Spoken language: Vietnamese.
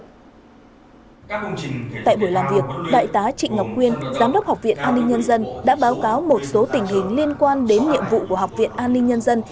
tại buổi làm việc đại tá trịnh ngọc quyên giám đốc học viện an ninh nhân dân đã báo cáo một số tình hình liên quan đến nhiệm vụ của học viện an ninh nhân dân